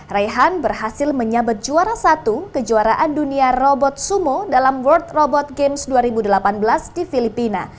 raihan berhasil menyabet juara satu kejuaraan dunia robot sumo dalam world robot games dua ribu delapan belas di filipina